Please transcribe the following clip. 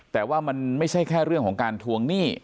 แต่ว่ามันไม่ใช่แค่เรื่องของการทวงหนี้